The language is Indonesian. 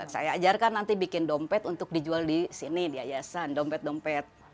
saya ajarkan nanti bikin dompet untuk dijual di sini di yayasan dompet dompet